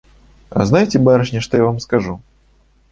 А знаете, барышни, что я вам скажу?